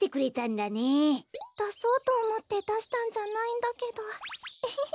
だそうとおもってだしたんじゃないんだけどエヘヘ。